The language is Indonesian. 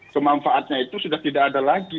kemanfaatnya itu sudah tidak ada lagi